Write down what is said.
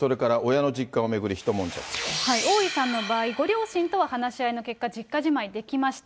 大井さんの場合、ご両親とは話し合いの結果、実家じまいできました。